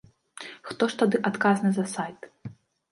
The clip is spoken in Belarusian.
Хто ж тады адказны за сайт?